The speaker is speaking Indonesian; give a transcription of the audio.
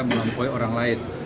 namun pokoknya orang lain